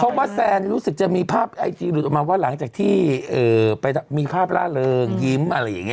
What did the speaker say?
เพราะว่าแซนรู้สึกจะมีภาพไอจีหลุดออกมาว่าหลังจากที่ไปมีภาพล่าเริงยิ้มอะไรอย่างนี้